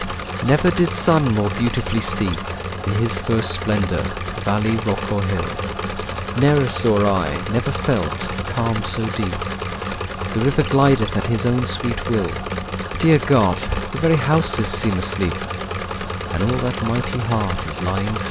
Never did sun more beautifully steep In his first splendour, valley, rock, or hill; Ne'er saw I, never felt, a calm so deep! The river glideth at his own sweet will: Dear God! the very houses seem asleep; And all that mighty heart is lying still!